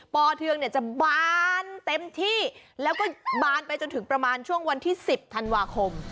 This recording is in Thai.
ปเทืองเนี่ยจะบานเต็มที่แล้วก็บานไปจนถึงประมาณช่วงวันที่๑๐ธันวาคม